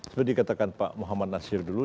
seperti dikatakan pak muhammad nasir dulu